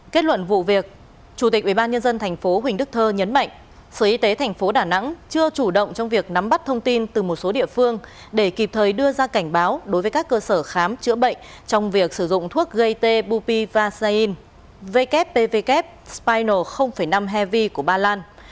kết luận vụ việc chủ tịch ủy ban nhân dân tp huỳnh đức thơ nhấn mạnh sở y tế tp đà nẵng chưa chủ động trong việc nắm bắt thông tin từ một số địa phương để kịp thời đưa ra cảnh báo đối với các cơ sở khám chữa bệnh trong việc sử dụng thuốc gat bupi vasain wpw spinal năm heavy của ba lan